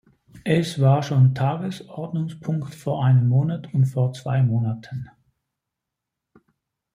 Es war schon Tagesordnungspunkt vor einem Monat und vor zwei Monaten.